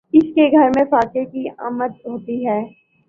اس کے گھر میں فاقے کی آمد ہوتی ہے